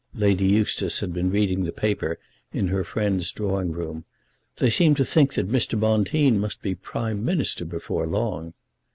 Lady Eustace had been reading the paper in her friend's drawing room. "They seem to think that Mr. Bonteen must be Prime Minister before long."